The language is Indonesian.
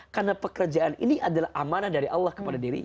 karena pekerjaan ini adalah amanah dari allah kepada dirinya